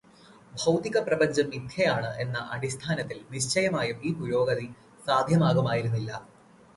ഭൗതികപ്രപഞ്ചം മിഥ്യയാണ് എന്ന അടിസ്ഥാനത്തിൽ നിശ്ചയമായും ഈ പുരോഗതി സാധ്യമാകുമായിരുന്നില്ല.